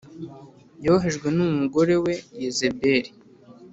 yohejwe n’umugore we Yezebeli